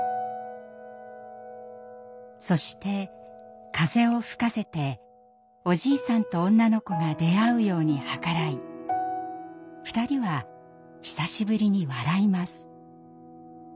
そして風を吹かせておじいさんと女の子が出会うように計らい２人は久しぶりに笑います。